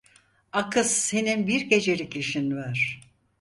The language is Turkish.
A kız senin bir gecelik işin var.